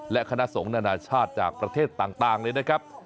และคณะสงฆ์นานาชาติจากประเทศต่างเลยนะครับ